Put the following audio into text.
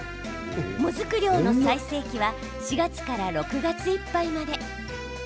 もずく漁の最盛期は４月から６月いっぱいまで。